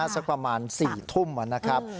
สักประมาณ๔ทุ่มนะครับ